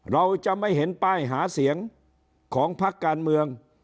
เราจะไม่เห็นป้ายหาเสียงของพักการเมือง